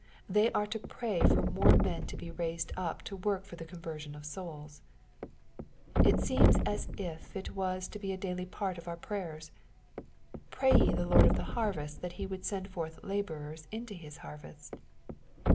They are to pray for more men to be raised up to work for the conversion of souls. It seems as if it was to be a daily part of our prayers. " Pray ye the Lord of the harvest that he would send forth laborers into his harvest."